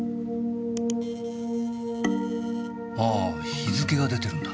あぁ日付が出てるんだ。